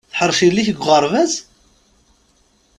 Teḥṛec yelli-k deg uɣerbaz?